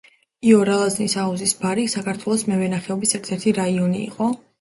იორ-ალაზნის აუზის ბარი საქართველოს მევენახეობის ერთ-ერთი რაიონი იყო.